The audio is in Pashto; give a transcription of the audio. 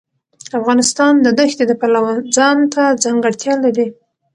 افغانستان د دښتې د پلوه ځانته ځانګړتیا لري.